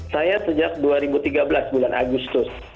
saya sejak dua ribu tiga belas bulan agustus